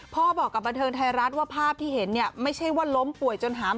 บอกกับบันเทิงไทยรัฐว่าภาพที่เห็นเนี่ยไม่ใช่ว่าล้มป่วยจนหาม